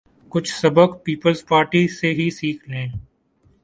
کچھ سبق پیپلزپارٹی سے ہی سیکھ لیں۔